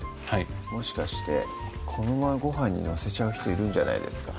もしかしてこのままごはんに載せちゃう人いるんじゃないですか？